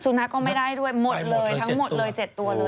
นักก็ไม่ได้ด้วยหมดเลยทั้งหมดเลย๗ตัวเลย